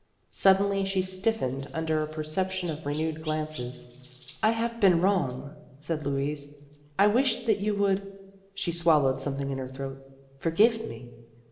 Suddenly she stiffened under a percep tion of renewed glances. " I have been wrong," said Louise ;" I wish that you would " she swallowed something in her throat " forgive me."